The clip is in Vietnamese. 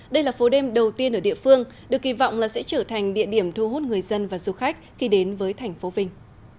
đây là phố đêm đầu tiên ở địa phương được kỳ vọng là sẽ trở thành địa điểm thu hút người dân và du khách khi đến với thành phố vinh